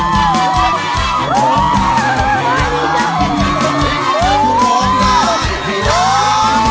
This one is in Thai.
คุณสารมพลุกทางสำเร็จครับ